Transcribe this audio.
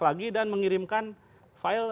lagi dan mengirimkan file